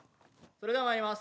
それでは参ります。